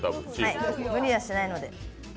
はい、無理はしないので。